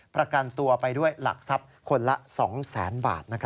ประกันตัวไปด้วยหลักทรัพย์คนละ๒๐๐๐๐บาท